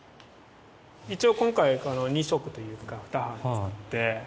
一応今回２色というかふた版使って。